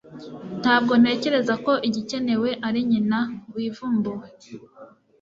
ntabwo ntekereza ko igikenewe ari nyina wivumbuwe